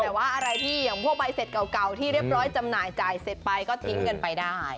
แต่ว่าอะไรที่อย่างพวกใบเสร็จเก่าที่เรียบร้อยจำหน่ายจ่ายเสร็จไปก็ทิ้งกันไปได้